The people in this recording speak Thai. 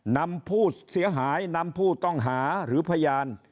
นำผู้เสียหายนำผู้ต้องหาหรือพยาน